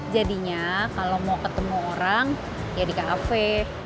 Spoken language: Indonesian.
jadinya kalau mau ketemu orang ya di kafe